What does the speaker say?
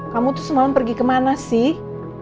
kamu tuh semalam pergi kemana sih